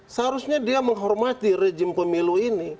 seharusnya dia menghormati rejim pemilu ini